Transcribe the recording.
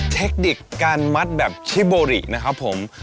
เทคนิคการมัดแบบชิโบรินะครับผม